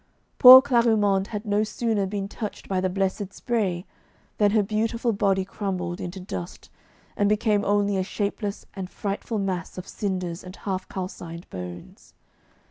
Poor Clarimonde had no sooner been touched by the blessed spray than her beautiful body crumbled into dust, and became only a shapeless and frightful mass of cinders and half calcined bones.